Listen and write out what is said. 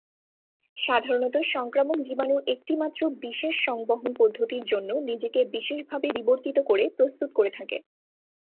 সাধারণত সংক্রামক জীবাণু একটিমাত্র বিশেষ সংবহন পদ্ধতির জন্য নিজেকে বিশেষভাবে বিবর্তিত করে প্রস্তুত করে থাকে।